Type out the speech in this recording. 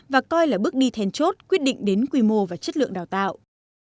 và coi là bước đi then chốt quyết định đến quy mô và chất lượng đào tạo